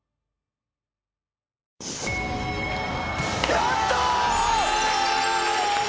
やった！